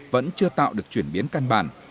vẫn chưa tạo được chuyển biến căn bản